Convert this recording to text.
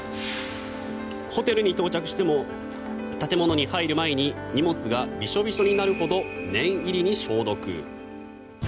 ホテルに到着しても建物に入る前に荷物がびしょびしょになるほど念入りに消毒。